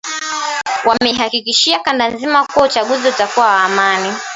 wameihakikishia kanda nzima kuwa uchaguzi utakuwa wa amani